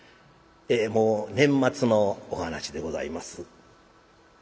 もう年末のお噺でございます。